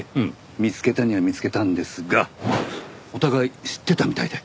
見つけたには見つけたんですがお互い知ってたみたいで。